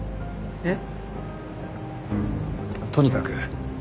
えっ？